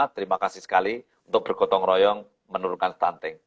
terima kasih sekali untuk bergotong royong menurunkan stunting